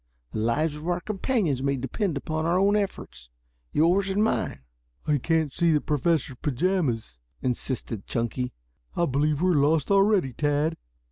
The lives of our companions may depend upon our own efforts yours and mine." "I can't see the Professor's pajamas," insisted Chunky. "I believe we are lost already, Tad."